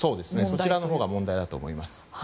そちらのほうが問題だと思います。